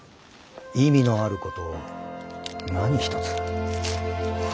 意味のあることを何一つ。